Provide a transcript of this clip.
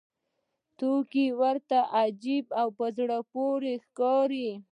توکي ورته عجیبه او په زړه پورې ښکاري